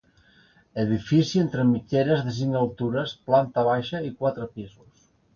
Edifici entre mitgeres de cinc altures, planta baixa i quatre pisos.